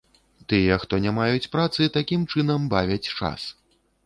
Тыя, хто не маюць працы, такім чынам бавяць час.